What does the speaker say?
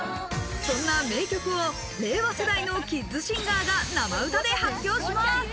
そんな名曲を令和世代のキッズシンガーが生歌で発表します。